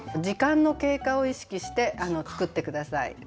時間の経過を意識して作って下さい。